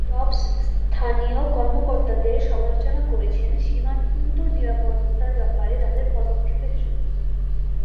ডবস স্থানীয় কর্মকর্তাদের সমালোচনা করেছেন সীমান্ত নিরাপত্তার ব্যাপারে তাদের পদক্ষেপের জন্য।